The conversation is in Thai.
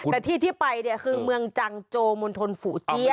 แต่ที่ที่ไปเนี่ยคือเมืองจังโจมณฑลฝูเตี้ย